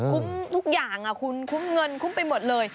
ทุกอย่างคุณคุ้มเงินคุ้มไปหมดเลย